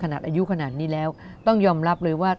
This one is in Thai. อายุขนาดนี้แล้วต้องยอมรับเลยว่า